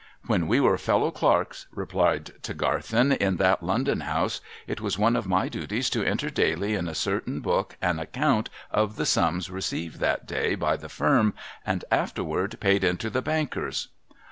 ' When we were fellow clerks,' re[)lied Tregarthen, ' in that I>ondon house, it was one of my duties to enter daily in a certain book an account of the sums received that day by the firm, and afterward paid into the bankers'.